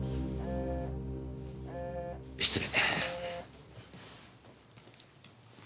失礼。